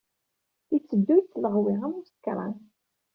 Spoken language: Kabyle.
Yetteddu yettleɣwi am usekṛan.